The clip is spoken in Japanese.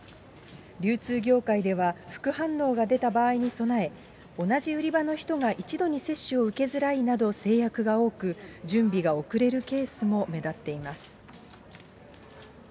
流通業界では、副反応が出た場合に備え、同じ売り場の人が一度に接種を受けづらいなど制約が多く、準備が遅れるケースも目立っています。